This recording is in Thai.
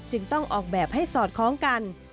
ต้องออกแบบให้สอดคล้องกัน